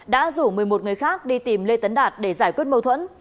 đã rủ một mươi một người khác đi tìm lê tấn đạt để giải quyết mâu thuẫn